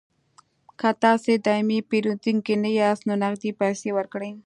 که تاسې دایمي پیرودونکي نه یاست نو نغدې پیسې ورکړئ